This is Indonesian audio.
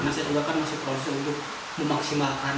karena saya juga kan masih proses untuk memaksimalkan